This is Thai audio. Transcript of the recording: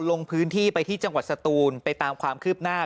ลงพื้นที่ไปที่จังหวัดสตูนไปตามความคืบหน้า